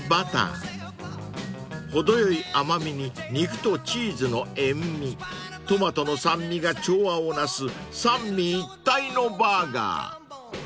［程よい甘味に肉とチーズの塩味トマトの酸味が調和をなす三位一体のバーガー］